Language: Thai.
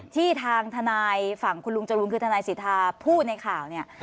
ที่ทางทนายฝั่งคุณลุงจรูนคือทนายสิทธาพูดในข่าวเนี่ย